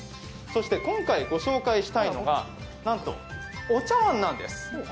そして、今回ご紹介したいのが、なんとお茶わんなんです。